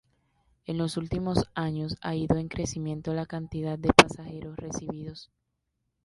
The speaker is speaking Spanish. En los últimos años ha ido en crecimiento la cantidad de pasajeros recibidos.